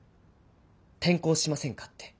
転校しませんかって。